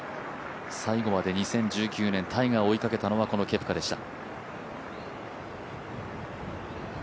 最後まで２０１９年、タイガーを追いかけたのはこのケプカでした。